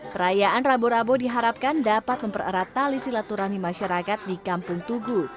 perayaan rabo rabo diharapkan dapat mempererat tali silaturahmi masyarakat di kampung tugu